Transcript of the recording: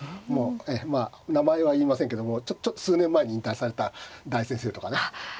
まあ名前は言いませんけども数年前に引退された大先生とかね。